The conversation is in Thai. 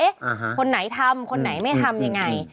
อ่าฮะคนไหนทำคนไหนไม่ทำยังไง